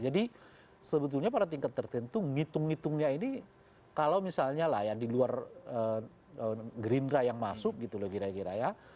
jadi sebetulnya pada tingkat tertentu ngitung ngitungnya ini kalau misalnya lah ya di luar green dry yang masuk gitu loh kira kira ya